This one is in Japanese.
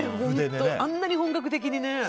あんなに本格的にね。